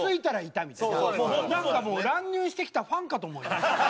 なんかもう乱入してきたファンかと思いました。